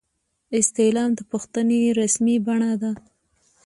استعلام د پوښتنې رسمي بڼه ده